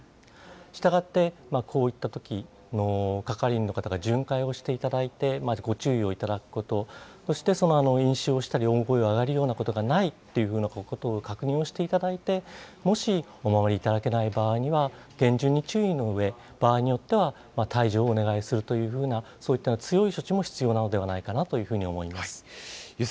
したがって、こういったときの係員の方が巡回をしていただいて、まずご注意をいただくこと、そして飲酒をしたり大声を上げるようなことがないっていうふうなことを確認をしていただいて、もしお守りいただけない場合には、厳重に注意のうえ、場合によっては、退場をお願いするというふうな、そういった強い措置も必要なのではないかなというふうに思います。